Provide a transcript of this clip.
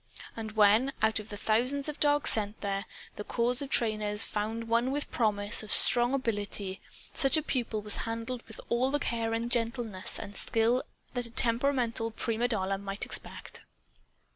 And when, out of the thousands of dogs sent there, the corps of trainers found one with promise of strong ability, such a pupil was handled with all the care and gentleness and skill that a temperamental prima donna might expect.